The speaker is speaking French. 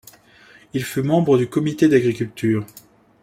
Il fut membre du comité d'agriculture.